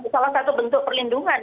salah satu bentuk perlindungan